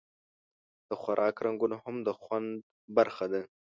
د خوراک رنګونه هم د خوند برخه ده.